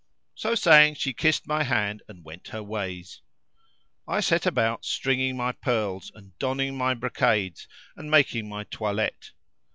So saying she kissed my hand and went her ways. I set about stringing my pearls and donning my brocades and making my toilette.